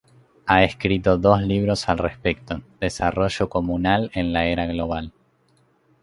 Ha escrito dos libros al respecto: "Desarrollo comunal en la era global.